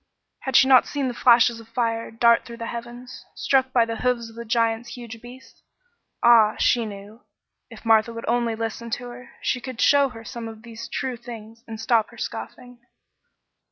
Had she not seen the flashes of fire dart through the heavens, struck by the hoofs of the giants' huge beasts? Ah! She knew! If Martha would only listen to her, she could show her some of these true things and stop her scoffing.